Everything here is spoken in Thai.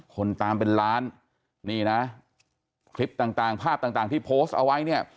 คนตามเป็นล้านนี่นะคลิปต่างภาพต่างที่โพสต์เอาไว้เนี่ย